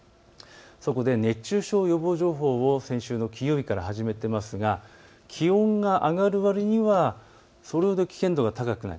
そこで熱中症予防情報を先週の金曜日から始めていますが気温が上がるわりにはそれほど危険度が高くない。